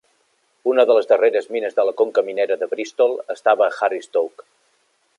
Una de les darreres mines de la conca minera de Bristol estava a Harry Stoke.